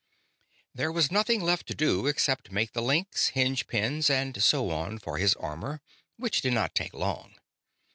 There was nothing left to do except make the links, hinge pins, and so on for his armor, which did not take long.